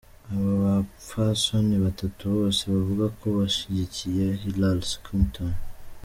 Abo bapfasoni batatu bose bavuga ko bashigikiye Hillary Clinton.